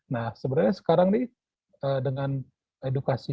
nah sebenarnya sekarang nih dengan edukasi